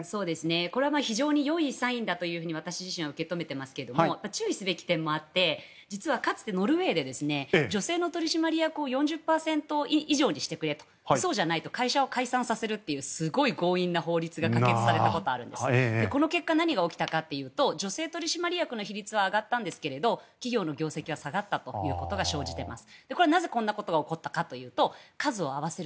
これは非常によいサインだというふうに私自身は受け止めていますが注意すべき点もあって実はかつて、ノルウェーで女性の取締役を４０％以上にしてくれとそうじゃないと会社を解散させるというすごい強引な法律が可決されたことがあるんですがこの結果、何が起きたかというと女性取締役の比率は上がったんですが企業の業績が下がったということが生じています。